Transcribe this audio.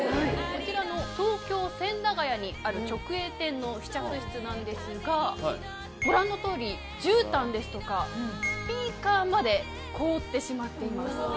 こちらの東京・千駄ヶ谷にある直営店の試着室なんですがご覧の通りじゅうたんですとかスピーカーまで凍ってしまっています。